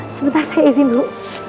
sebentar saya izin dulu